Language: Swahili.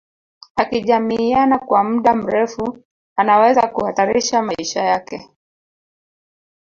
Akijamiiana kwa mda mrefu anaweza kuhatarisha maisha yake